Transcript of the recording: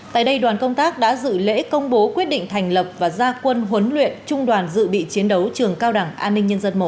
tại đây đoàn công tác đã dự lễ công bố quyết định thành lập và gia quân huấn luyện trung đoàn dự bị chiến đấu trường cao đẳng an ninh nhân dân một